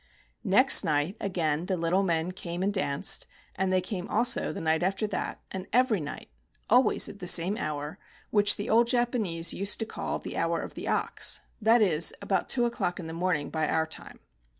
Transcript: Next night, again the little men came and danced, and they came also the night after that, and every night — always at the same hour, which the old Japanese used to call the "Hour of the Ox ;" that is, about two o'clock in the morning by our time.